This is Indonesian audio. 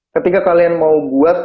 ketika kalian mau buat